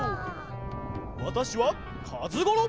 わたしはかずゴロ！